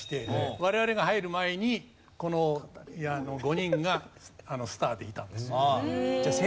我々が入る前にこの５人がスターでいたんですよ。